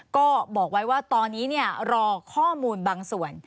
ก็บอกไว้ว่าตอนนี้รอข้อมูลบางส่วน